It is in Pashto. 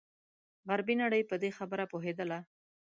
غربي نړۍ په دې خبره پوهېدله.